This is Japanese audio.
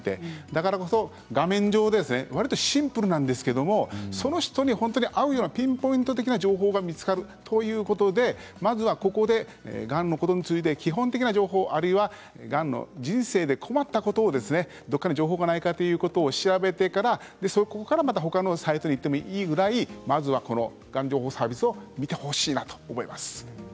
だからこそ画面上でわりとシンプルなんですけどその人に本当に合うようなピンポイント的な情報が見つかるということでまずは、ここでがんのことについて基本的な情報、あるいはがんの、人生で困ったことはどこか情報がないか調べてそこから他のサイトにいっていいぐらいこの、がん情報サービスを見てほしいなと思います。